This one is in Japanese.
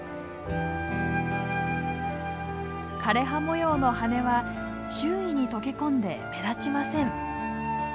枯れ葉模様の羽は周囲に溶け込んで目立ちません。